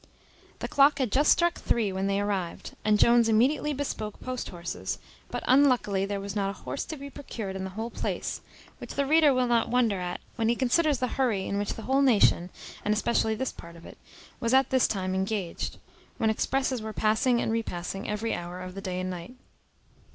The clock had just struck three when they arrived, and Jones immediately bespoke post horses; but unluckily there was not a horse to be procured in the whole place; which the reader will not wonder at when he considers the hurry in which the whole nation, and especially this part of it, was at this time engaged, when expresses were passing and repassing every hour of the day and night.